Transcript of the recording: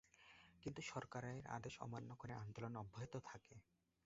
কিন্তু সরকারের আদেশ অমান্য করে আন্দোলন অব্যাহত থাকে।